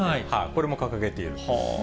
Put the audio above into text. これも掲げている。